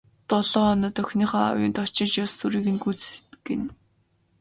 Долоо хоноод охиныхоо аавынд очиж ёс төрийг нь гүйцээнэ.